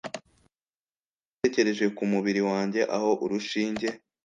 ntabwo natekereje kumubiri wanjye aho urushinge